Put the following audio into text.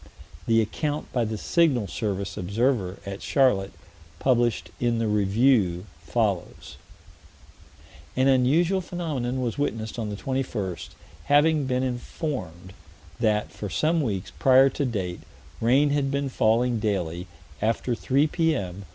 The account by the Signal Service observer, at Charlotte, published in the Review, follows: "An unusual phenomenon was witnessed on the 21st: having been informed that, for some weeks prior to date, rain had been falling daily, after 3 P.M.